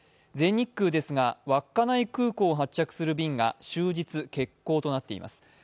全日空ですが稚内空港を発着する便が終日欠航となっています。